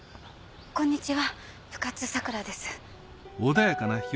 こんにちは深津さくらです。